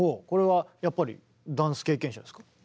これはやっぱりダンス経験者ですか？